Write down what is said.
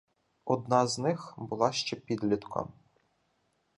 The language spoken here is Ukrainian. Одна з них була ще підлітком.